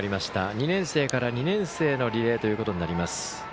２年生から２年生へのリレーということになります。